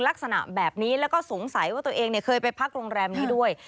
ลักษณะแบบนี้แล้วก็สงสัยว่าตัวเองเคยไปพักโรงแรมนี้ด้วย